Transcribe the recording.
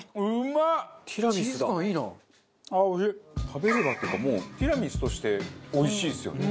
食べればっていうかもうティラミスとしておいしいですよね。